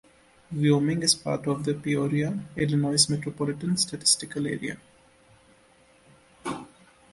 Wyoming is part of the Peoria, Illinois Metropolitan Statistical Area.